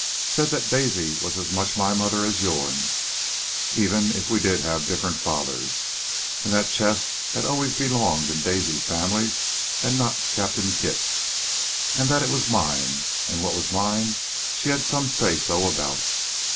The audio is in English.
Said that Daisy was as much my mother as yourn, even if we did have different fathers, and that the chest had always belonged in Daisy's family and not Captain Kit's, an' that it was mine, an' what was mine she had some say so about."